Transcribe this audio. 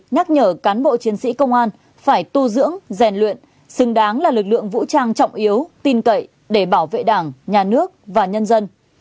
nhắc nhở cán bộ chiến sĩ công an phải tu dưỡng rèn luyện xứng đáng là lực lượng vũ trang trọng yếu tin cậy để bảo vệ đảng nhà nước và nhân dân